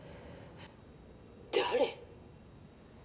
誰？